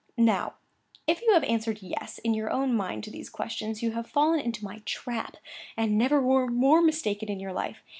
Now, if you have answered "Yes," in your own mind to these questions, you have fallen into my trap, and never were more mistaken in your life.